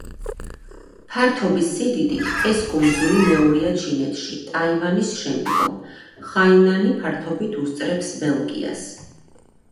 ფართობის სიდიდით ეს კუნძული მეორეა ჩინეთში ტაივანის შემდგომ, ხაინანი ფართობით უსწრებს ბელგიას.